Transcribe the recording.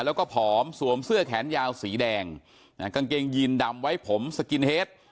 แล้วก็ผอมสวมเสื้อแขนยาวสีแดงกางเกงยีนดำไว้ผมสกินเฮด